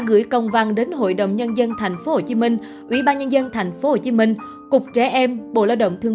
gửi công văn đến hội đồng nhân dân tp hcm ủy ban nhân dân tp hcm cục trẻ em bộ lao động thương